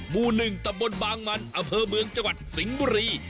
หมู่๑ตำบลบางมันอำเภอเมืองจังหวัดสิงห์บุรี